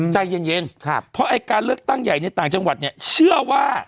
ใจเย็นเพราะไอ้การเลือกตั้งใหญ่ในต่างจังหวัดเนี่ยเชื่อว่า